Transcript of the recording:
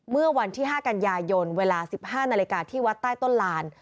เมื่อวันที่๕กันยายนเวลา๑๕นาฬิกาที่วัดใต้ต้นลาน